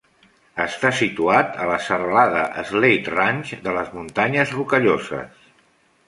Està situat a la serralada Slate Range de les muntanyes Rocalloses.